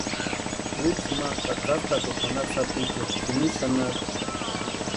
Wichu ma katsatʼakusti nanaka sapichuni jini xanharu.